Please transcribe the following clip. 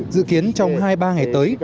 dự kiến trong hai ba ngày tới